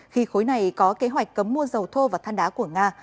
khi khối này có kế hoạch cấm mua dầu thô và thăn đá của nga